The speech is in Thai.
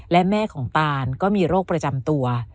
และแม่ของตานก็มีโรคประจำตัว